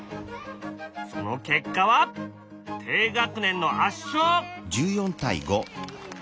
その結果は低学年の圧勝！